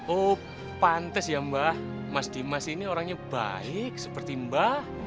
oh pantes ya mbak mas dimas ini orangnya baik seperti mbak